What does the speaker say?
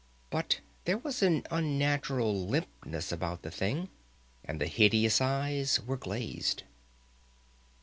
But there was an unnatural limpness about the thing, and the hideous eyes were glazed.